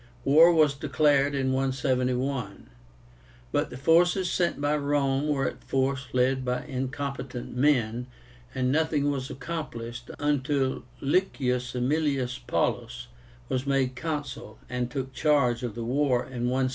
War was declared in 171; but the forces sent by Rome were at first led by incompetent men, and nothing was accomplished until LICIUS AEMILIUS PAULLUS was made Consul, and took charge of the war in 168.